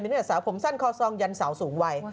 เนื้อสาวผมสั้นคอซองยันสาวสูงวัย